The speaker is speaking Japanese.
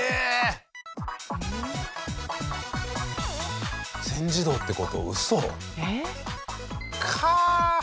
えっ？